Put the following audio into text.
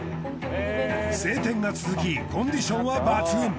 晴天が続きコンディションは抜群。